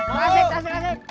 tasik tasik tasik